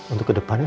untuk ke depannya